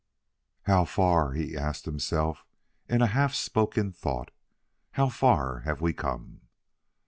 "How far?" he asked himself in a half spoken thought, " how far have we come?"